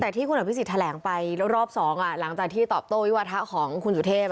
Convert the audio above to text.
แต่ที่คุณหัวพิศิษฐ์แถลงไปรอบ๒หลังจากที่ตอบโต้วิวัตถะของคุณสุเทพฯ